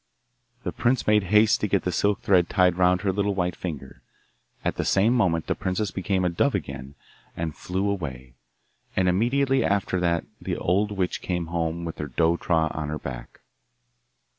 The prince made haste to get the silk thread tied round her little white finger; at the same moment the princess became a dove again and flew away, and immediately after that the old witch came home with her dough trough on he back.